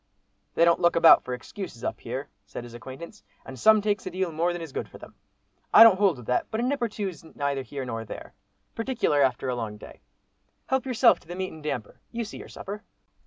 "They don't look about for excuses up here," said his new acquaintance, "and some takes a deal more than is good for them. I don't hold with that, but a nip or two's neither here nor there, particular after a long day. Help yourself to the meat and damper, you see your supper."